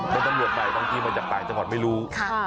มันบรรยวรไปบางทีมันจะตายจังหวัดไม่รู้